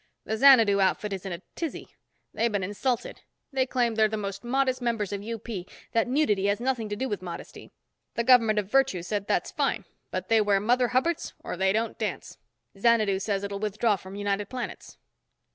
The Xanadu outfit is in a tizzy. They've been insulted. They claim they're the most modest members of UP, that nudity has nothing to do with modesty. The government of Virtue said that's fine but they wear Mother Hubbards or they don't dance. Xanadu says it'll withdraw from United Planets."